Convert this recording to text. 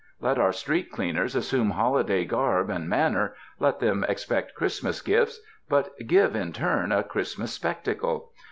Let our street cleaners assume holiday garb and manner, let them expect Christmas gifts, but give in turn a Christmas spectacle.